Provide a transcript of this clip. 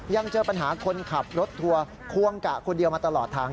ยังเจอปัญหาคนขับรถทัวร์ควงกะคนเดียวมาตลอดทาง